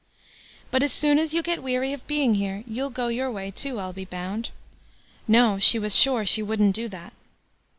"But as soon as you get weary of being here, you'll go your way too, I'll be bound." No; she was sure she wouldn't do that.